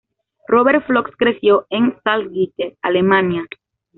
Robert Flux creció en Salzgitter, Alemania.